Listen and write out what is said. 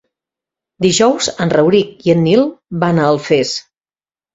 Dijous en Rauric i en Nil van a Alfés.